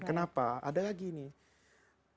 kenapa ada lagi nih